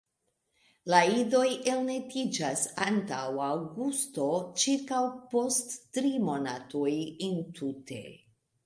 La idoj elnestiĝas antaŭ aŭgusto ĉirkaŭ post tri monatoj entute.